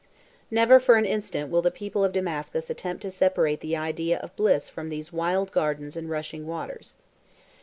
Never for an instant will the people of Damascus attempt to separate the idea of bliss from these wild gardens and rushing waters.